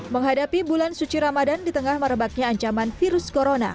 menghadapi bulan suci ramadan di tengah merebaknya ancaman virus corona